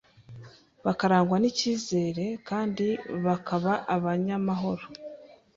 bakarangwa n icyizere kandi bakaba abanyamahoro